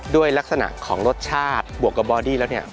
ด้วยลักษณะของรสชาติบวกกับบอดี้แล้วเนี่ย